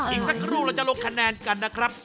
อีกสักครู่เราจะลงคะแนนกันนะครับ